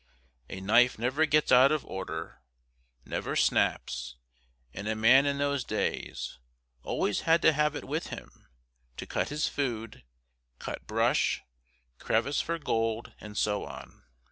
A knife never gets out of order, never "snaps," and a man in those days always had to have it with him to cut his food, cut brush, "crevice" for gold, and so on.